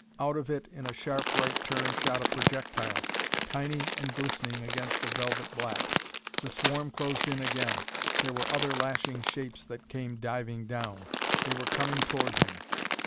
Out of it in a sharp right turn shot a projectile, tiny and glistening against the velvet black. The swarm closed in again.... There were other lashing shapes that came diving down. They were coming toward him.